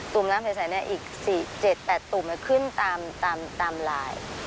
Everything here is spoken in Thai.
ตุ่มน้ำเผ็ดใส่นี่อีก๗๘ตุ่มแล้วขึ้นตามลาย